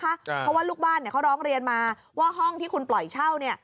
เพราะว่าลูกบ้านเขาร้องเรียนมาว่าห้องที่คุณปล่อยเช่าเนี่ย